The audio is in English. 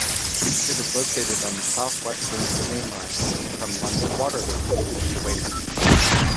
It is located on the South Western Main Line from London Waterloo to Weymouth.